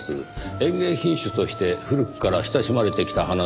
園芸品種として古くから親しまれてきた花ですよ。